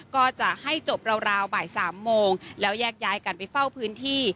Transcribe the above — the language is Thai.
ก็จะให้จบราวบ่าย๓โมงแล้วแยกย้ายกันไปเฝ้าพื้นที่